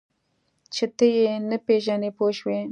چې ته یې نه پېژنې پوه شوې!.